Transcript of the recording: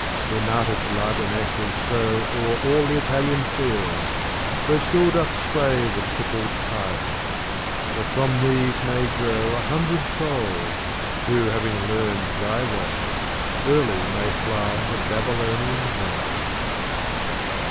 Their martyred blood and ashes sowO'er all the Italian fields, where still doth swayThe triple Tyrant; that from these may growA hundredfold, who, having learnt thy way, Early may fly the Babylonian woe.